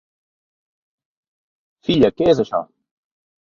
Filla què és això?